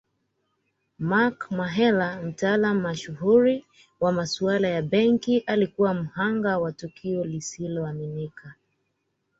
Mark Mahela mtaalamu mashuhuri wa masuala ya benki alikuwa mhanga wa tukio lisiloaminika